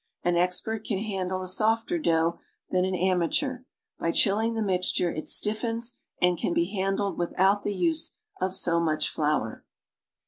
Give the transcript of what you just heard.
An expert can handle a softer dough than an amateur; by chilling the mixture, it stiffens and can be handled without the use of so much flour.